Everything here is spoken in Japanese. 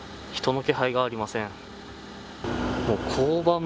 人の気配がありません。